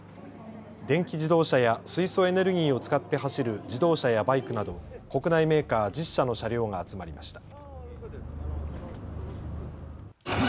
電気自動車や水素エネルギーを使って走る自動車やバイクなど国内メーカー１０社の車両が集まりました。